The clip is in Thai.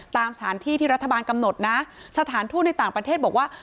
ตามสถานที่ที่รัฐบาลกำหนดนะสถานทูตในต่างประเทศบอกว่า